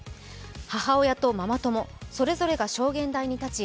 母親とママ友、それぞれが証言台に立ち。